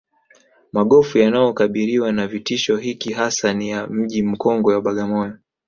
Magofu yanayokabiriwa na kitisho hiki hasa ni ya Mji mkongwe wa Bagamoyo